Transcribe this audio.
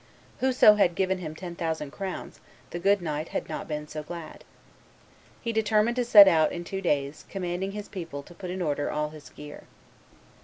Whoso had given him ten thousand crowns, the good knight had not been so glad. He determined to set out in two days, commanding his people to put in order all his gear.